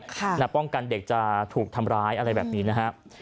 นะป้องกันเด็กจะถูกทำร้ายอะไรแบบนี้นะฮะ